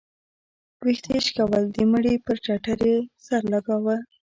ويښته يې شكول د مړي پر ټټر يې سر لګاوه.